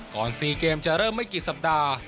๔เกมจะเริ่มไม่กี่สัปดาห์